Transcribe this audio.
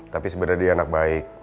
tapi sebenarnya dia anak baik